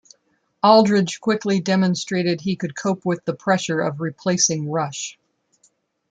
Aldridge quickly demonstrated he could cope with the pressure of replacing Rush.